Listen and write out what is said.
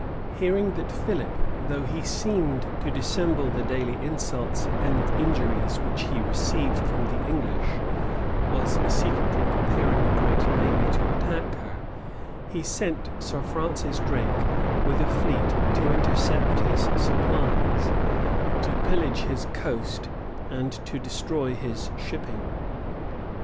Hearing that Philip, though he seemed to dissemble the daily insults and injuries which he received from the English, was secretly preparing a great navy to attack her, she sent Sir Francis Drake with a fleet to intercept his supplies, to pillage his coast, and to destroy his shipping.